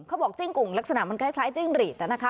จิ้งกุ่งลักษณะมันคล้ายจิ้งหรีดนะคะ